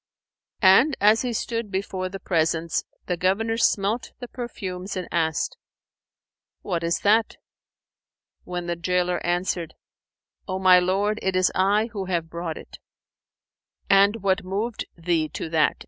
And as he stood before the presence, the Governor smelt the perfumes and asked, "What is that?" when the gaoler answered, "O my lord, it is I who have brought it." "And what moved thee to that?"